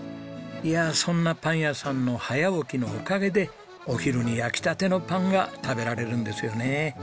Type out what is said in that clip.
いやあそんなパン屋さんの早起きのおかげでお昼に焼きたてのパンが食べられるんですよね。